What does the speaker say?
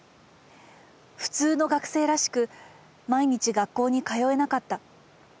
普通の学生らしく毎日学校に通えなかった。